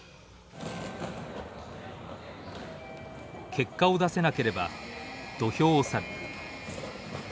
結果を出せなければ土俵を去る。